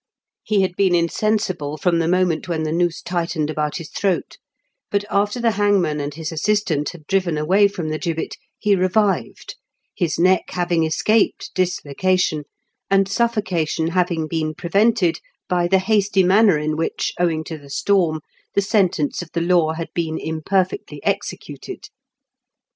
He had been insensible from the moment when the noose tightened about his throat, but after the hangman and his assistant had driven away from the gibbet he revived, his neck having escaped dislocation, and suflEbcation having been prevented by the hasty manner in which, owing to the storm, the sentence of the law had been imperfectly executed.